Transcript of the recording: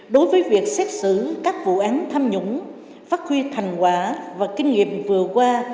đối với việc xét xử các vụ án tham nhũng phát huy thành quả và kinh nghiệm vừa qua